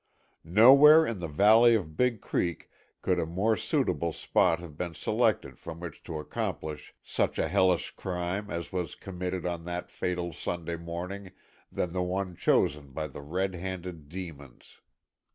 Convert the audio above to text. Nowhere in the valley of Big Creek could a more suitable spot have been selected from which to accomplish such a hellish crime as was committed on that fatal Sunday morning, than the one chosen by the red handed demons.